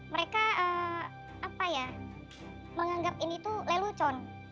mereka menganggap ini lelucon